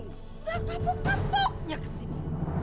nggak kepuk kepuknya kesini